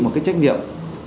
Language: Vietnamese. một cái trách nhiệm